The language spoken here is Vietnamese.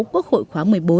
quốc hội khóa một mươi bốn